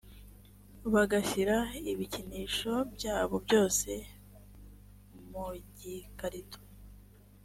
bagashyira ibikinisho byabo byose mu gikarito